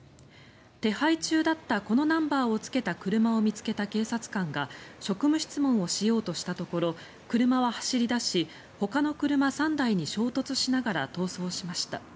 手配中だったこのナンバーをつけた車を見つけた警察官が職務質問をしようとしたところ車は走り出しほかの車３台に衝突しながら逃走しました。